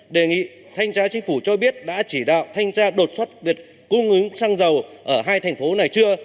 đề nghị thanh tra chính phủ cho biết đã chỉ đạo thanh tra đột xuất việc cung ứng xăng dầu ở hai thành phố này chưa